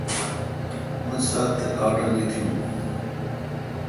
مہ سات تے آڑھ رل ایتیون